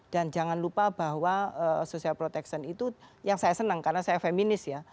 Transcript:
dan jangan lupa bahwa social protection itu yang saya senang karena saya feminis ya